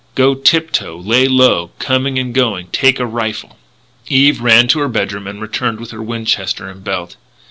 Go tip toe. Lay low, coming and going. Take a rifle." Eve ran to her bed room and returned with her Winchester and belt.